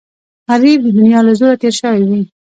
غریب د دنیا له زوره تېر شوی وي